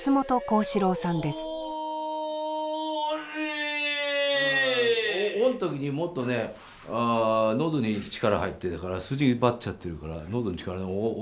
うん「お」の時にもっとねああ喉に力入ってたから筋張っちゃってるから喉に力